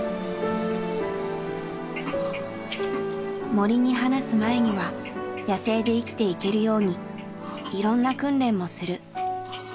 森に放す前には野生で生きていけるようにいろんな訓練もする。